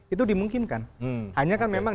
itu dimungkinkan hanya kan memang